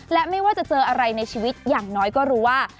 และไม่ว่าจะเจออะไรในชีวิตอย่างน้อยก็รู้ว่า